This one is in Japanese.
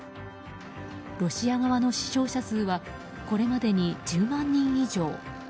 ロシア側の死傷者数はこれまでに１０万人以上。